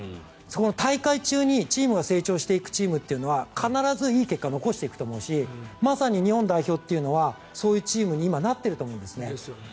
大会中にチームが成長していくチームというのは必ずいい結果を残していくと思うしまさに日本代表っていうのはそういうチームに今なっていると思うんですよね。